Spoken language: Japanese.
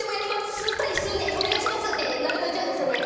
吸ったりするんでお願いしますって何でも言っちゃうんですよね。